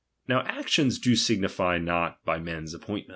Now actions do signify not by men's appointment.